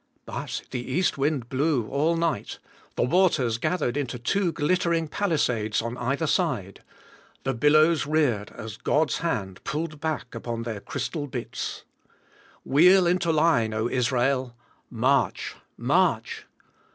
But the east wind blew all night; the waters gathered into two glittering palisades on either side. The billows reared as God's hand pulled back upon their crystal bits. Wheel into line, O Israel! March! March!